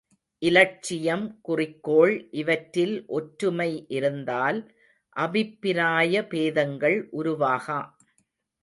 இலட்சியம் குறிக்கோள் இவற்றில் ஒற்றுமை இருந்தால் அபிப்பிராய பேதங்கள் உருவாகா.